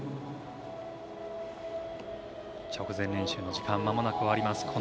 直前練習の時間まもなく終わります。